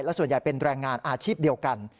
ส่วนใหญ่เป็นแรงงานอาชีพเดียวกัน